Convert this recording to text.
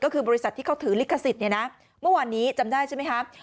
ก็คือบริษัทที่เขาถือลิขสิทธิ์เนี่ยนะเมื่อวานนี้จำได้ใช่ไหมครับ